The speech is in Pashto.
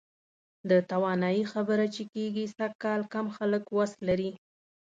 د توانایي خبره چې کېږي، سږکال کم خلک وس لري.